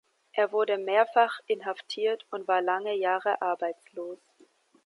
Er wurde mehrfach inhaftiert und war lange Jahre arbeitslos.